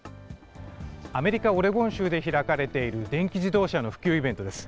アメリカ・オレゴン州で開かれている電気自動車の普及イベントです。